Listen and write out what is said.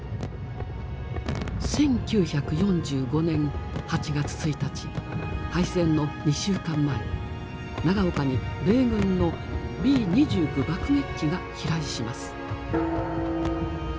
１９４５年８月１日敗戦の２週間前長岡に米軍のＢ２９爆撃機が飛来します。